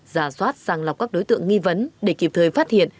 giả soát sàng lọc các đối tượng nghi vấn để kịp thời phát hiện